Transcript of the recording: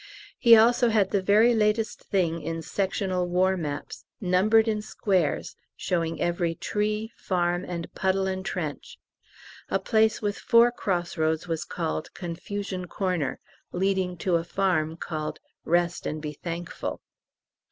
He also had the very latest thing in sectional war maps, numbered in squares, showing every tree, farm, and puddle and trench: a place with four cross roads was called "Confusion Corner," leading to a farm called "Rest and be Thankful."